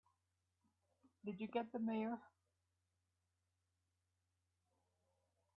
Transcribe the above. Did you get the Mayor?